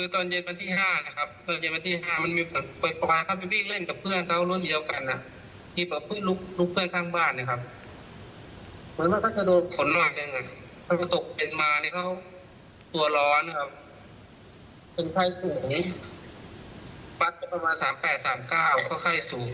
ตอนเย็นวันที่๕มันมีฝ่ายไปเล่นกับเพื่อนเขาร่วมเดียวกัน